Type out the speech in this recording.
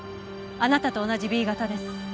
あなたと同じＢ型です。